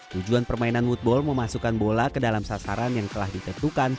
tujuan permainan woodball memasukkan bola ke dalam sasaran yang telah ditentukan